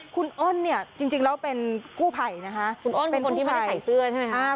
คุณอ้นเนี่ยจริงแล้วเป็นกู้ภัยนะคะคุณอ้นเป็นคนที่ไม่ได้ใส่เสื้อใช่ไหมคะ